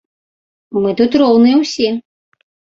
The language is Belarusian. Мы тут роўныя ўсе!